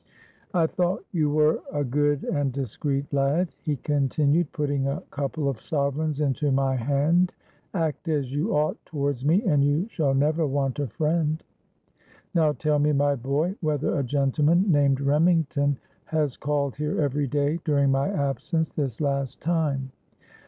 —'I thought you were a good and discreet lad,' he continued, putting a couple of sovereigns into my hand: 'act as you ought towards me, and you shall never want a friend. Now, tell me, my boy, whether a gentleman named Remington has called here every day during my absence this last time?'